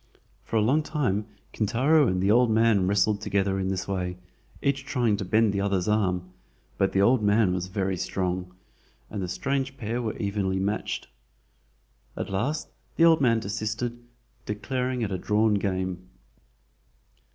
For a long time Kintaro and the old man wrestled together in this way, each trying to bend the other's arm, but the old man was very strong, and the strange pair were evenly matched. At last the old man desisted, declaring it a drawn game.